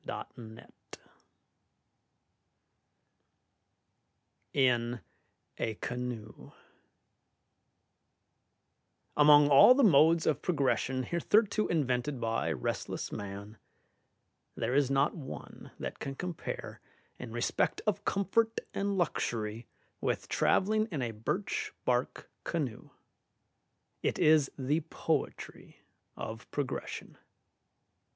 Bryant IN A CANOE Among all the modes of progression hitherto invented by restless man, there is not one that can compare in respect of comfort and luxury with travelling in a birch bark canoe. It is the poetry of progression.